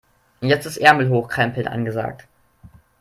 Jetzt ist Ärmel hochkrempeln angesagt.